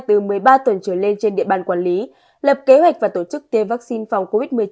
từ một mươi ba tuần trở lên trên địa bàn quản lý lập kế hoạch và tổ chức tiêm vaccine phòng covid một mươi chín